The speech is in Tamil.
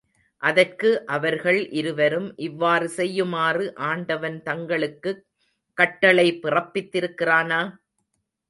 அதற்கு அவர்கள் இருவரும், இவ்வாறு செய்யுமாறு ஆண்டவன் தங்களுக்குக் கட்டளை பிறப்பித்திருக்கிறானா?